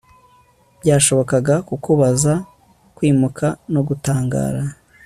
byashobokaga kukubaza, kwimuka no gutangara